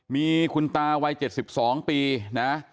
มีคุณตาวัย๗๒ปีเนี่ย